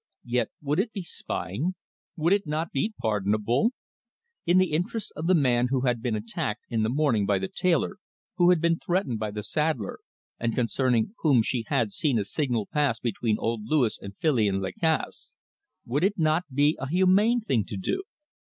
Yet would it be spying? Would it not be pardonable? In the interest of the man who had been attacked in the morning by the tailor, who had been threatened by the saddler, and concerning whom she had seen a signal pass between old Louis and Filion Lacasse, would it not be a humane thing to do?